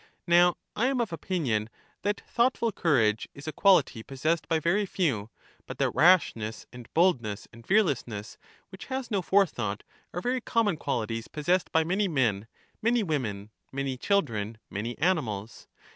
Now I am of opinion that thoughtful courage is a qual ity possessed by very few, but that rashness, and bold ness, and fearlessness, which has no forethought, are very common qualities possessed by many men, many women, many children, many animals.